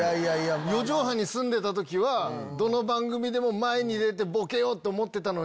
四畳半に住んでた時はどの番組も前に出てボケようと思ってたのに。